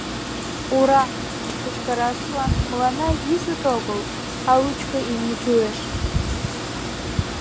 «Ура» кычкырашлан мыланна визыт огыл, а лучко имне кӱлеш.